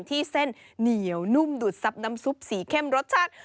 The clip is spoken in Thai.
ที่เส้นเหนียวนุ่มดูดซับน้ำซุปสีเข้มรสชาติ